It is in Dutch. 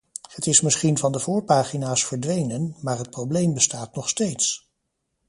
Het is misschien van de voorpagina's verdwenen, maar het probleem bestaat nog steeds.